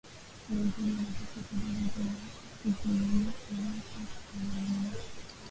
Serikali inapaswa kudhibiti uvuvi haramu baharini